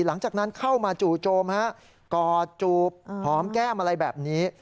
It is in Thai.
หลังจากนั้นเข้ามาจู่โจมฮะกอดจูบหอมแก้มอะไรแบบนี้